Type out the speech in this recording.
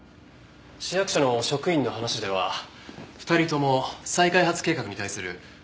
市役所の職員の話では２人とも再開発計画に対する反対運動をしていたらしいです。